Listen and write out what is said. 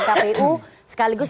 sekaligus menurut saya